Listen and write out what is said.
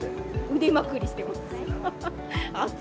腕まくりしてます。